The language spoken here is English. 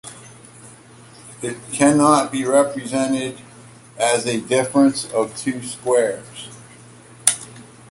It cannot be represented as a difference of two squares.